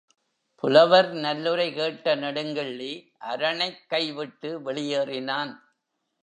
புலவர் நல்லுரை கேட்ட நெடுங்கிள்ளி, அரணைக் கைவிட்டு வெளியேறினான்.